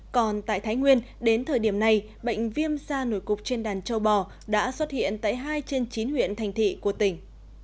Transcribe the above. còn tại thái nguyên đến thời điểm này bệnh viêm da nổi cục trên đàn châu bò đã xuất hiện tại hai trên chín huyện thành thị của tỉnh